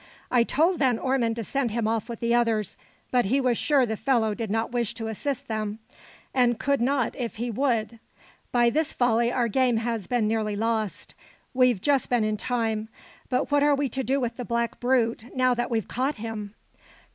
"I told Van Ormon to send him off with the others, but he was sure the fellow did not wish to assist them, and could not if he would. By his folly our game has been nearly lost. We've just been in time; but what are we to do with the black brute, now that we've caught him?"